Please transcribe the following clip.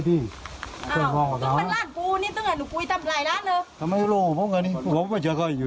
พี่ไม่ได้ค้ายาพี่ไม่ได้ทำอะไร